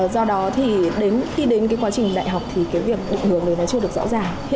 do đó thì đến khi đến cái quá trình đại học thì cái việc định hướng đấy nó chưa được rõ ràng